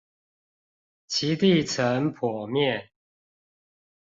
其地層剖面